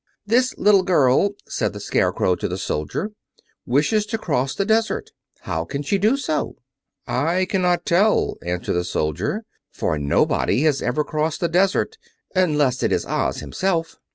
"This little girl," said the Scarecrow to the soldier, "wishes to cross the desert. How can she do so?" "I cannot tell," answered the soldier, "for nobody has ever crossed the desert, unless it is Oz himself."